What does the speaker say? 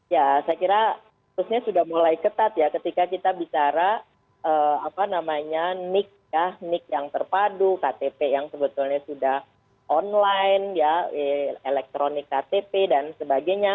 ya saya kira harusnya sudah mulai ketat ya ketika kita bicara apa namanya nik ya nik yang terpadu ktp yang sebetulnya sudah online elektronik ktp dan sebagainya